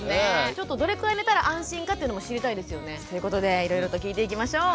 ちょっとどれくらい寝たら安心かというのも知りたいですよね。ということでいろいろと聞いていきましょう。